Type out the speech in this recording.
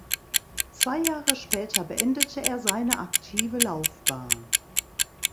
Zwei Jahre später beendete er seine aktive Laufbahn.